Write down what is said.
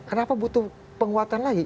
kenapa butuh penguatan lagi